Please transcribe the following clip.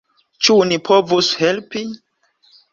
Ĉu ni povus helpi?